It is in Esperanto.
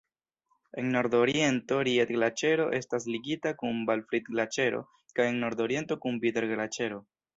En nordoriento Ried-Glaĉero Estas ligita kun Balfrin-Glaĉero kaj en nordoriento kun Bider-Glaĉero.